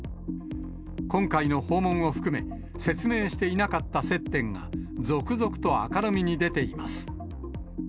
今回の訪問を含め、説明していなかった接点が、続々と明るみに出ています。